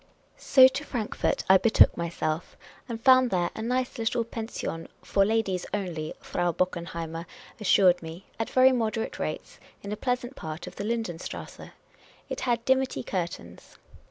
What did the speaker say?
So to Frankfort I betook myself, and found there a nice little />e7is/on —" for ladies only," Frau Bockenheimer assured me — at very moderate rates, in a pleasant part of the Linden strasse. It had dimity curtains.